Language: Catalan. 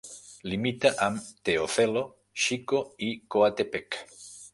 Limita amb Teocelo, Xico i Coatepec.